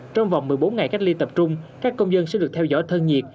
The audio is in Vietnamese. trong vòng một mươi bốn ngày cách ly tập trung các công dân sẽ được theo dõi thân nhiệt